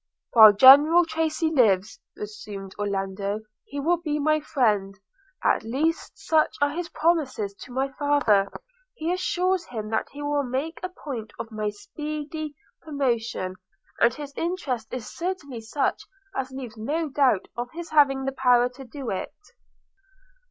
'While General Tracy lives,' resumed Orlando, 'he will be my friend; at least such are his promises to my father. He assures him that he will make a point of my speedy promotion; and his interest is certainly such as leaves no doubt of his having the power to do it.'